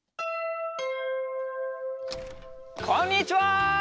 こんにちは！